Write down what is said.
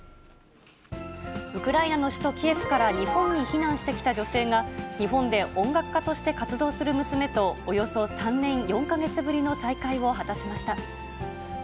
ウクライナの首都キエフから日本に避難してきた女性が、日本で音楽家として活動する娘と、およそ３年４か月ぶりの再会を果たしました。